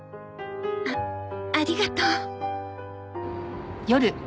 あありがとう。